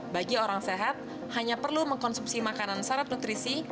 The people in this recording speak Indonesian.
bagi orang sehat hanya perlu mengkonsumsi makanan syarat nutrisi